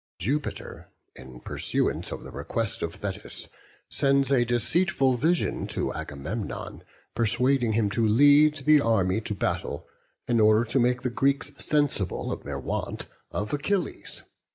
Jupiter, in pursuance of the request of Thetis, sends a deceitful vision to Agamemnon, persuading him to lead the army to battle in order to make the Greeks sensible of their want of Achilles.